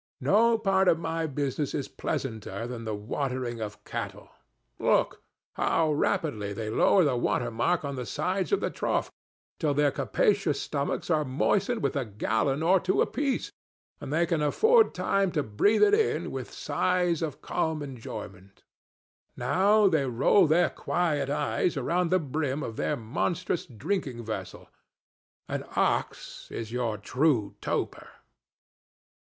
No part of my business is pleasanter than the watering of cattle. Look! how rapidly they lower the water mark on the sides of the trough, till their capacious stomachs are moistened with a gallon or two apiece and they can afford time to breathe it in with sighs of calm enjoyment. Now they roll their quiet eyes around the brim of their monstrous drinking vessel. An ox is your true toper.